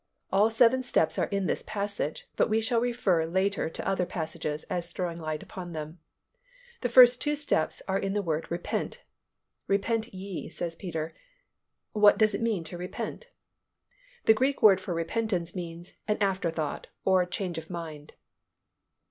All seven steps are in this passage, but we shall refer later to other passages as throwing light upon this. The first two steps are in the word "repent." "Repent ye," said Peter. What does it mean to repent? The Greek word for repentance means "an afterthought" or "change of mind."